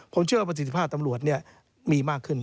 ผมเชื่อว่าประสิทธิภาพตำรวจมีมากขึ้น